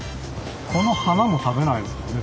この花も食べないですね。